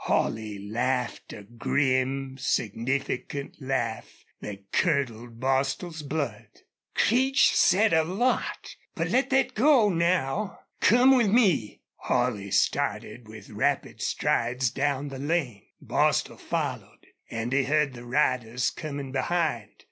Holley laughed a grim, significant laugh that curdled Bostil's blood. "Creech said a lot! But let thet go now.... Come with me." Holley started with rapid strides down the lane. Bostil followed. And he heard the riders coming behind.